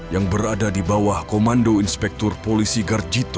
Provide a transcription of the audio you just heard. yang berada di bawah komando inspektur polisi garjito